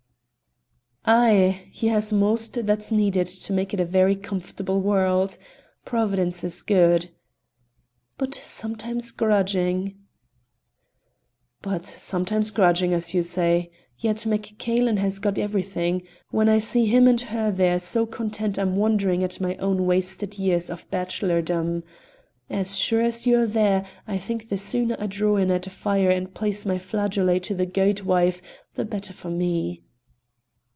"Ay! he has most that's needed to make it a very comfortable world. Providence is good " "But sometimes grudging " "But sometimes grudging, as you say; yet MacCailen has got everything. When I see him and her there so content I'm wondering at my own wasted years of bachelordom. As sure as you're there, I think the sooner I draw in at a fire and play my flageolet to the guidwife the better for me."